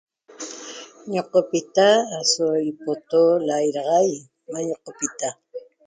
Ñeqopita aso ipoto lairaxaic ma ñeqopita